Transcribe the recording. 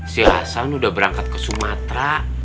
si hasan sudah berangkat ke sumatera